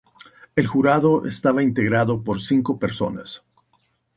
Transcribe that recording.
El jurado estaba integrado por cinco personas.